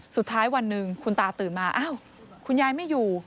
สุดท้ายวันหนึ่งคุณตาตื่นมาอ้าวคุณยายไม่อยู่